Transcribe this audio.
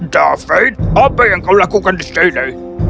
david apa yang kau lakukan di sini